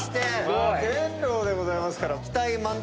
「摩天楼」でございますから。